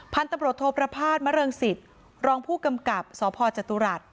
พันธบริโภคโทพระพาทมะเริงสิทธิ์รองผู้กำกับสพจตุรัตน์